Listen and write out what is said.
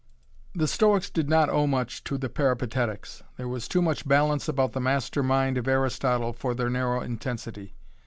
The Stoics did not owe much to the Peripatetics. There was too much balance about the master mind of Aristotle for their narrow intensity.